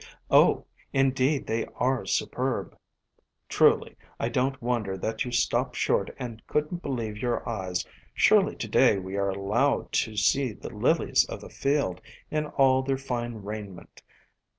"Oh! in deed they are superb. Truly, I don't wonder that you stopped short and could n't believe your eyes; surely to day we are allowed to see the Lilies of the field in all their fine raiment.